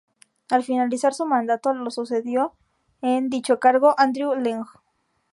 Al finalizar su mandato, lo sucedió en dicho cargo Andrew Leung.